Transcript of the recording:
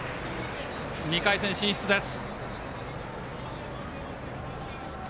２回戦進出です。